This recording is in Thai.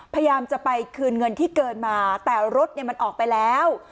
พยายามจะไปคืนเงินที่เกินมาแต่รถเนี่ยมันออกไปแล้ว